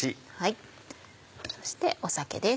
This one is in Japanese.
そして酒です。